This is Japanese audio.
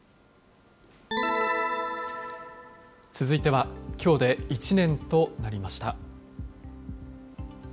続いては、きょうで１年となりました。